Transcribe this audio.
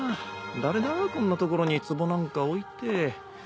誰だこんな所に壺なんか置いて。